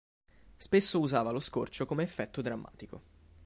Spesso usava lo scorcio come effetto drammatico.